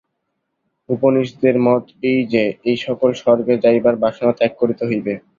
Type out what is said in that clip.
উপনিষদের মত এই যে, এই সকল স্বর্গে যাইবার বাসনা ত্যাগ করিতে হইবে।